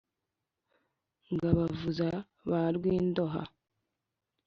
Ngabo abavuza ba Rwindoha